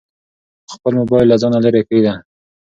خپل موبایل له ځانه لیرې کېږده.